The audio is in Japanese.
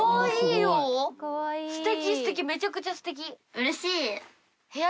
うれしい！